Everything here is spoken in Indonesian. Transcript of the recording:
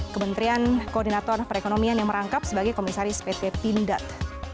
kementerian koordinator perekonomian yang merangkap sebagai komisaris pt pindad